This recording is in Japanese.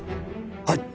はい。